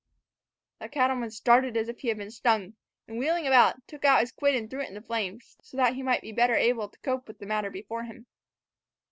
The cattleman started as if he had been stung, and, wheeling about, took out his quid and threw it on the flames, so that he might be better able to cope with the matter before him.